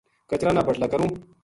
کچراں نا بٹلا کروں